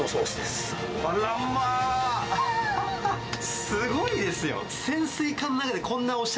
すごいですよ！